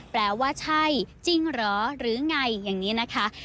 แปลว่าใช่จริงเหรอหรือไงอย่างนี้นะคะ